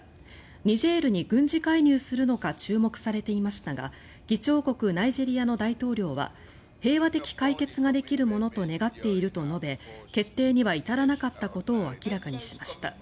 ニジェールに軍事介入するのか注目されていましたが議長国ナイジェリアの大統領は平和的解決ができるものと願っていると述べ決定には至らなかったことを明らかにしました。